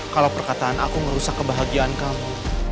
kalau perkataan aku merusak kebahagiaan kamu